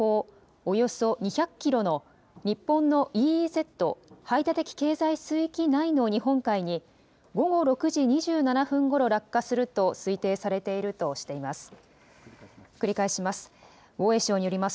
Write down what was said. およそ２００キロの日本のＥＥＺ・排他的経済水域内の日本海に午後６時２７分ごろ落下すると推定されているとしています。